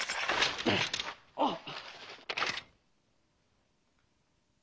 あっ！